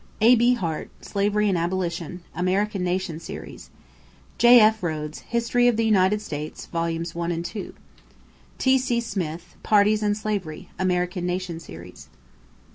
A.B. Hart, Slavery and Abolition (American Nation Series). J.F. Rhodes, History of the United States, Vols. I and II. T.C. Smith, Parties and Slavery (American Nation Series).